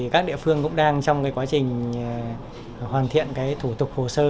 các địa phương cũng đang trong quá trình hoàn thiện thủ tục hồ sơ